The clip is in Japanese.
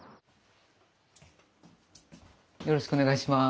よろしくお願いします。